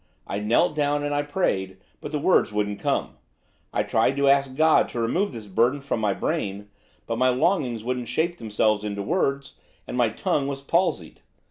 I knelt down, and I prayed, but the words wouldn't come. I tried to ask God to remove this burden from my brain, but my longings wouldn't shape themselves into words, and my tongue was palsied.